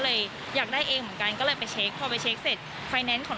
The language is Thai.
เลยอยากได้เองเหมือนกันก็เลยไปเช็คพอไปเช็คเสร็จไฟแนนซ์ของ